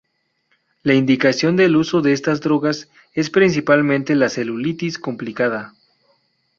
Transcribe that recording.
La indicación del uso de estas drogas es principalmente la celulitis complicada.